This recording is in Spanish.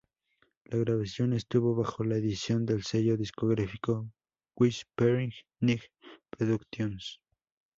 La grabación estuvo bajo la edición del sello discográfico Whispering Night Productions.